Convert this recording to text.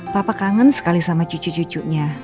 papa kangen sekali sama cucu cucunya